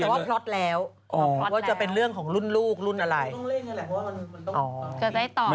คิดว่าจะเสร็จเมื่อไรดูว่า